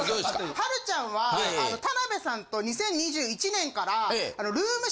はるちゃんは田辺さんと２０２１年から。